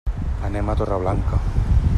Anem a Torreblanca.